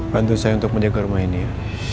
bantu saya untuk mendekat rumah ini ya